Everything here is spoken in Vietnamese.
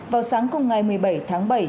vào sáng cùng ngày một mươi bảy tháng bảy